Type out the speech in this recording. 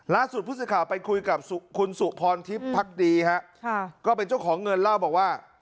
ล่าสุดผู้สื่อข่าวไปคุยกับคุณสุพรทิพย์พักดีฮะค่ะก็เป็นเจ้าของเงินเล่าบอกว่า